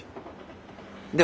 では。